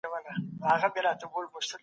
اثر باید د لیکوال له نظره وڅېړل سي.